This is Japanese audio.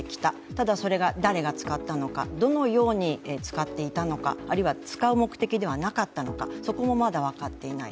ただそれが誰が使ったのか、どのように使っていたのかあるいは使う目的ではなかったのかそこもまだ分かっていない。